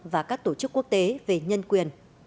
và các tổ chức quốc tế về nhân quyền